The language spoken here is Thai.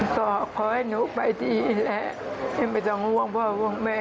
ต่อขอให้หนูไปดีและไม่ทำวังเพราะผมคือแม่